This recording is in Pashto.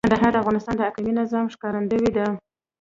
کندهار د افغانستان د اقلیمي نظام ښکارندوی ده.